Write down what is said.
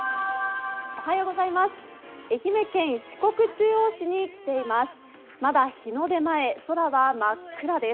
愛媛県四国中央市に来ています。